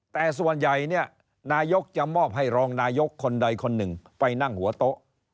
แต่ส่วนใหญ่เนี่ยนายกจะมอบให้รองนายกคนใดคนหนึ่งไปนั่งหัวโต๊ะ